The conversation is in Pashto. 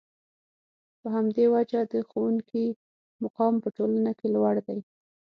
په همدې وجه د ښوونکي مقام په ټولنه کې لوړ دی.